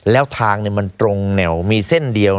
แล้วทางมันตรงแนวมีเส้นเดียว